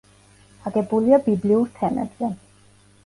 აგებულია ბიბლიურ თემებზე.